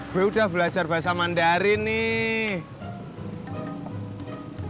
gue udah belajar bahasa mandari nih